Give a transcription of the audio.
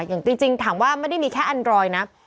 อย่างจริงถามว่าไม่ได้มีแค่อันรอยนะ